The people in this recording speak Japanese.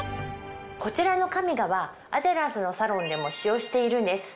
こちらのカミガはアデランスのサロンでも使用しているんです。